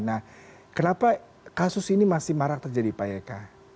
nah kenapa kasus ini masih marak terjadi pak eka